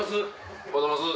おはようございます。